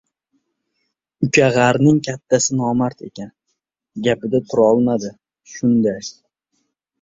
Ukkag‘arning kattasi nomard ekan, gapida turmadi, shunday.